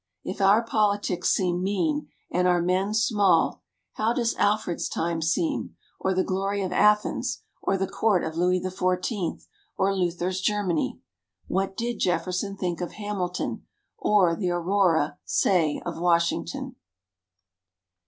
If our politics seem mean and our men small, how does Alfred's time seem, or the glory of Athens, or the court of Louis the Fourteenth, or Luther's Germany? What did Jefferson think of Hamilton, or the Aurora say of Washington?